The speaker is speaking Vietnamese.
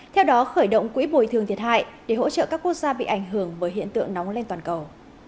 theo đó khởi động quỹ bồi thường thiệt hại để hỗ trợ các quốc gia bị ảnh hưởng bởi hiện tượng nóng lên toàn cầu